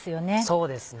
そうですね。